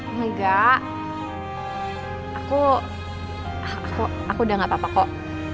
enggak aku udah gak apa apa kok